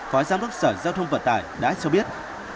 phó giám đốc sở giao thông vận tải đã cho biết